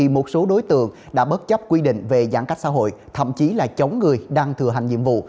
một số đối tượng đã bất chấp quy định về giãn cách xã hội thậm chí là chống người đang thừa hành nhiệm vụ